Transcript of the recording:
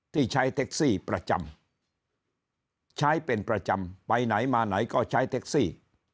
ที่ใช้เท็กซี่ประจำใช้เป็นประจำไปไหนมาไหนก็ใช้เท็กซี่